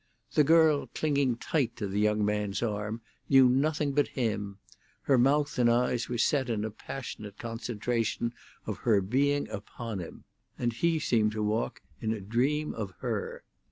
The girl, clinging tight to the young man's arm, knew nothing but him; her mouth and eyes were set in a passionate concentration of her being upon him, and he seemed to walk in a dream of her.